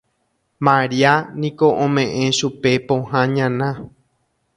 Maria niko ome'ẽ chupe pohã ñana